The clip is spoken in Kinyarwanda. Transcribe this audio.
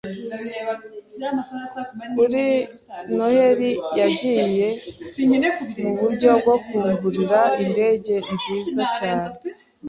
Kuri Noheri yagiye muburyo bwo kungurira indege nziza cyane.